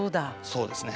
そうですね。